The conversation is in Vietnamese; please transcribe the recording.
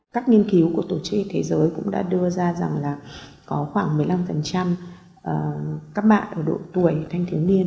các nghiên cứu của tổ chức thế giới cũng đã đưa ra rằng là có khoảng một mươi năm các bạn ở độ tuổi thanh thiếu niên